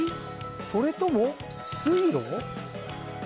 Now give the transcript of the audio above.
それとも水路？